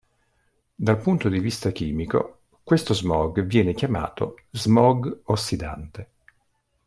Dal punto di vista chimico, questo smog viene chiamato "smog" ossidante.